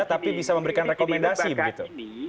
tapi bisa memberikan rekomendasi begitu